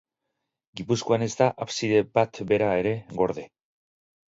Gipuzkoan ez da abside bat bera ere gorde.